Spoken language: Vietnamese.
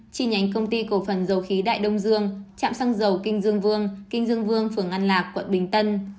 chi nhánh công ty cổ phần dầu khí đại đông dương trạm xăng dầu kinh dương vương kinh dương vương phường an lạc quận bình tân